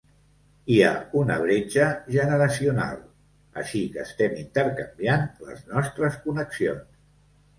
Hi ha una bretxa generacional, així que estem intercanviant les nostres connexions.